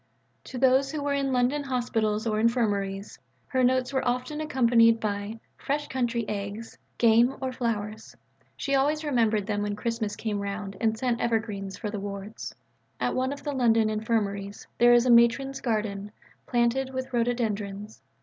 To those who were in London hospitals or infirmaries, her notes were often accompanied by "fresh country eggs," game, or flowers. She always remembered them when Christmas came round and sent evergreens for the wards. At one or two of the London Infirmaries there is a Matron's Garden, planted with rhododendrons.